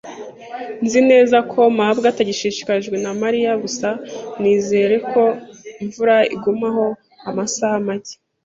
Nzi neza ko mabwa atagishishikajwe na Mariya. Gusa nizere ko imvura igumaho amasaha make.